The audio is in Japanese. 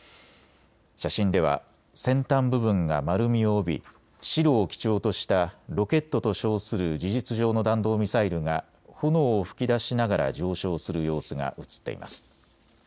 写真では先端部分が丸みを帯び白を基調としたロケットと称する事実上の弾道ミサイルが炎を吹き出しながら上昇する様子が写っています。